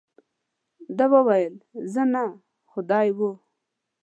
ده وویل، زه نه، خو دی وو.